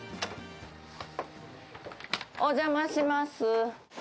お邪魔します。